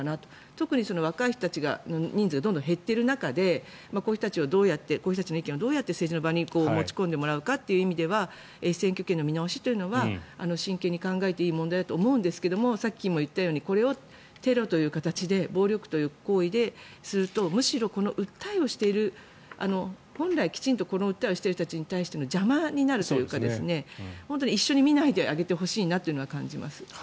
特に若い人たちの人数がどんどん減っている中でこういう人たちの意見をどうやって政治の場に持ち込んでもらうかという意味では被選挙権の見直しというのは真剣に考えていいと思うんですけどもさっきも言ったようにこれをテロという形で暴力という行為でするとむしろ、この訴えをしている本来この訴えをきちんとしている人たちの邪魔になるというか一緒に見ないであげてほしいなというのは感じます。